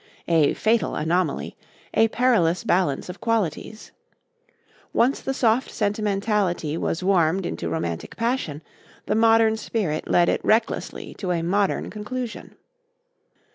A fatal anomaly; a perilous balance of qualities. Once the soft sentimentality was warmed into romantic passion, the modern spirit led it recklessly to a modern conclusion.